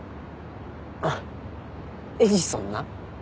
あっエジソンな。